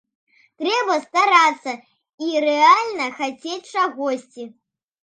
Трэба старацца і рэальна хацець чагосьці.